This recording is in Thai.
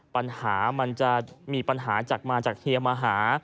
ปัญหามันจะมีปัญหาจากมาจากเฮียมาหา